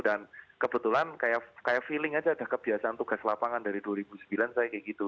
dan kebetulan kayak feeling aja ada kebiasaan tugas lapangan dari dua ribu sembilan saya kayak gitu